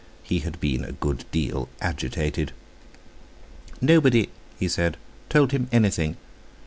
He had been a good deal agitated. "Nobody," he said, "told him anything."